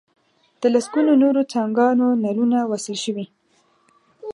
د لسګونو نورو څاګانو نلونه وصل شوي.